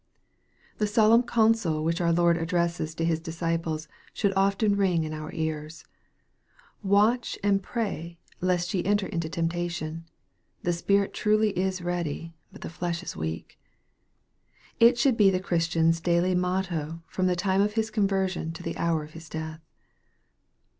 The solemn counsel which our Lord addresses to His disciples should often ring in our ears :" Watch and pray, lest ye enter into temptation. The spirit truly is ready, but the flesh is weak." It should be the Chris tian's daily motto from the time of his conversion to the hour of his death.